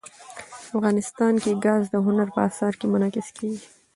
افغانستان کې ګاز د هنر په اثار کې منعکس کېږي.